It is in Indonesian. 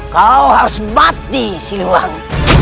kau harus bati siluang